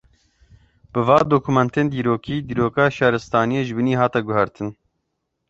Bi van dokumentên dîrokî, dîroka şaristaniyê ji binî hat guhartin